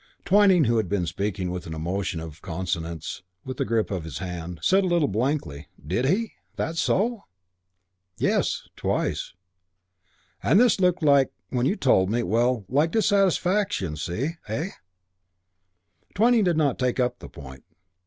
Twyning, who had been speaking with an emotion in consonance with the grip of his hand, said a little blankly, "Did he? That so?" "Yes, twice. And this looked like, when you told me well, like dissatisfaction since, see? Eh?" Twyning did not take up the point.